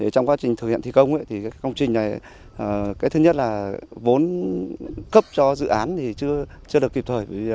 trong quá trình thực hiện thi công thì công trình này cái thứ nhất là vốn cấp cho dự án thì chưa được kịp thời